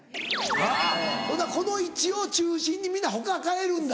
はぁほんならこの位置を中心に皆他替えるんだ。